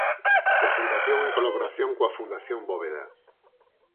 Presentación en colaboración coa Fundación Bóveda.